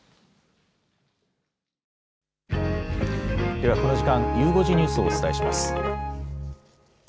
ではこの時間、ゆう５時ニュースをお伝えします。